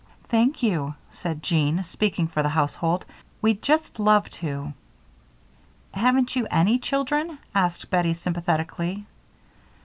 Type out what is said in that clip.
"Thank you," said Jean, speaking for the household. "We'd just love to." "Haven't you any children?" asked Bettie, sympathetically.